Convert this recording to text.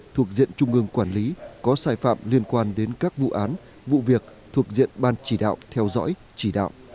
thuộc diện trung ương quản lý có sai phạm liên quan đến các vụ án vụ việc thuộc diện ban chỉ đạo theo dõi chỉ đạo